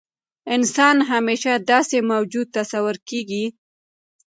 انسان همیشه داسې موجود تصور کېږي.